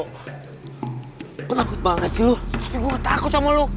kau takut banget sih lu tapi gue gak takut sama lu